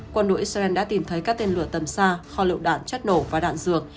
quân đội israel đã tìm thấy các tên lửa tầm xa kho liệu đạn chất nổ và đạn dược